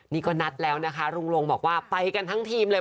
นี่ก็นัดแล้วนะคะลุงลงบอกว่าไปกันทั้งทีมเลย